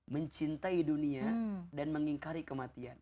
mencintai dunia dan mengingkari kematian